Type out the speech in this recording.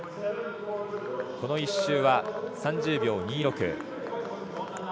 この１周は３０秒２６。